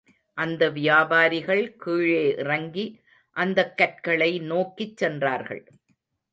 அந்த வியாபாரிகள் கீழே இறங்கி அந்தக் கற்களை நோக்கிச் சென்றார்கள்.